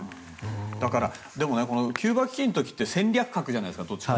だからキューバ危機の時って戦略核じゃないですか。